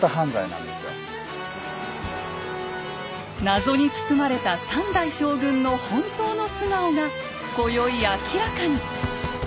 謎に包まれた３代将軍の本当の素顔が今宵明らかに！